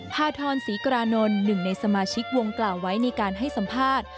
พาทรศรีกรานนท์หนึ่งในสมาชิกวงกล่าวไว้ในการให้สัมภาษณ์